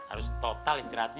harus total istirahatnya